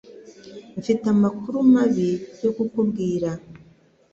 Mfite amakuru mabi yo kukubwira